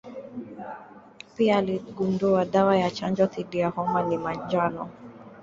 Pia aligundua dawa ya chanjo dhidi ya homa ya manjano.